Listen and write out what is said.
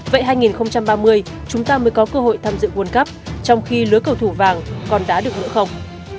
vậy hai nghìn ba mươi chúng ta mới có cơ hội tham dự world cup trong khi lưới cầu thủ vàng còn đá được nữa không